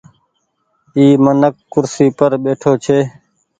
اي منک ڪرسي پر ٻيٺو ڇي۔